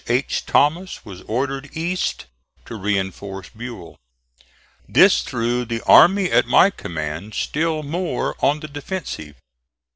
H. Thomas was ordered east to reinforce Buell. This threw the army at my command still more on the defensive.